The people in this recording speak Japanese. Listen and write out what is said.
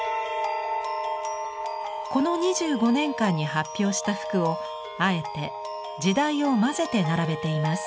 この２５年間に発表した服をあえて時代を混ぜて並べています。